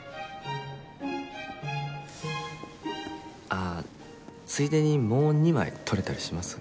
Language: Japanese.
ああついでにもう２枚取れたりします？